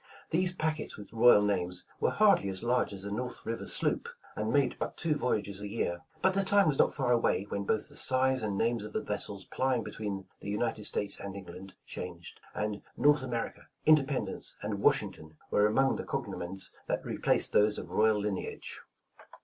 These packets with royal names, were hardly as large as a North River sloop, and made but two voyages a year, but the time was not far away, when both the size and names of the vessels plying be tween the United States and England changed, and "North America," "Independence" and "Washing ton" were among the cognomens that replaced those of royal lineage.